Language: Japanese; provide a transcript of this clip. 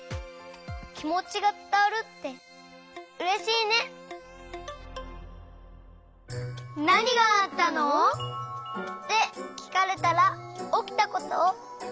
きもちがつたわるってうれしいね！ってきかれたらおきたことをじゅんばんにはなそう！